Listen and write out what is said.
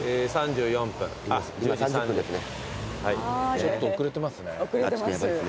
ちょっと遅れてますね。